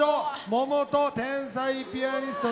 ももか天才ピアニスト。